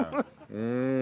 うん。